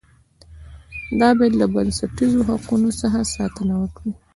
دا باید له بنسټیزو حقوقو څخه ساتنه وکړي.